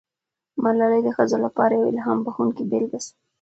ملالۍ د ښځو لپاره یوه الهام بښونکې بیلګه سوه.